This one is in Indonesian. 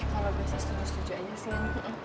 kalau gue sesungguh sesungguh aja sih